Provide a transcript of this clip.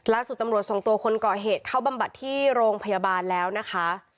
ตำรวจส่งตัวคนก่อเหตุเข้าบำบัดที่โรงพยาบาลแล้วนะคะ